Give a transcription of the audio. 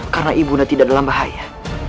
karena ibunya tidak dalam bahaya